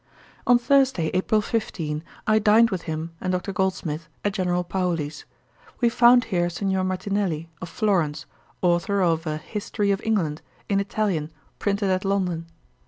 On Thursday, April 15, I dined with him and Dr. Goldsmith at General Paoli's. We found here Signor Martinelli, of Florence, authour of a History of England, in Italian, printed at London.